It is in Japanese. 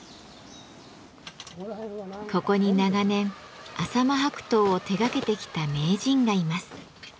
ここに長年浅間白桃を手がけてきた名人がいます。